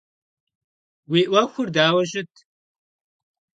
Уи ӏуэхур дауэ щыт?